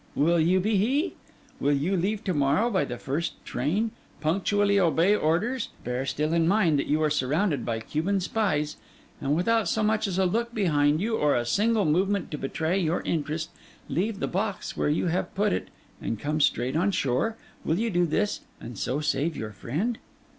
Will you be he? Will you leave to morrow by the first train, punctually obey orders, bear still in mind that you are surrounded by Cuban spies; and without so much as a look behind you, or a single movement to betray your interest, leave the box where you have put it and come straight on shore? Will you do this, and so save your friend?